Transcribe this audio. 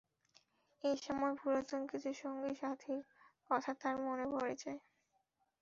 এ সময় পুরাতন কিছু সঙ্গী সাথির কথা তার মনে পড়ে যায়।